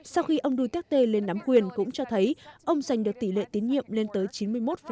sau khi ông duterte lên nắm quyền cũng cho thấy ông giành được tỷ lệ tín nhiệm lên tới chín mươi một